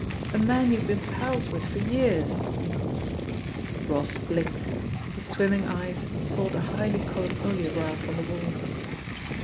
A man you've been pals with for years ?"..• Koss blinked; his swimming eyes sought a highly coloured oleograph on the wall.